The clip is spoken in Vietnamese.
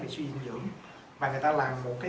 suy dinh dưỡng mà người ta làm một cái